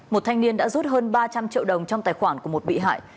một thanh niên đã rút hơn ba trăm linh triệu đồng trong tài khoản của một bị hại